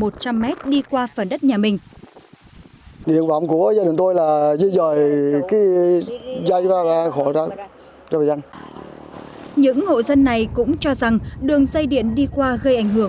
một trăm linh m đi qua phần đất nhà mình những hộ dân này cũng cho rằng đường dây điện đi qua gây ảnh hưởng